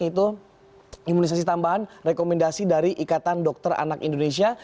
yaitu imunisasi tambahan rekomendasi dari ikatan dokter anak indonesia